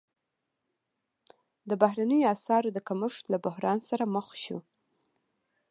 د بهرنیو اسعارو د کمښت له بحران سره مخ شو.